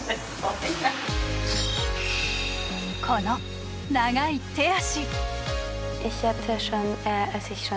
この長い手足。